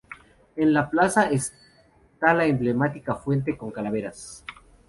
En la plaza está la emblemática fuente con calaveras.